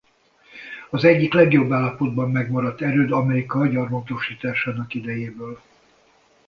Az egyik legjobb állapotban megmaradt erőd Amerika gyarmatosításának idejéből.